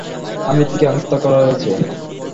হামিদকে হত্যা করা হয়েছে।